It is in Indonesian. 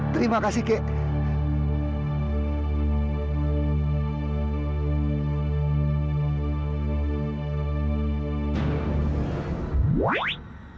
terima kasih kek